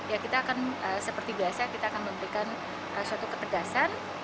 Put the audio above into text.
ya kita akan seperti biasa kita akan memberikan suatu ketegasan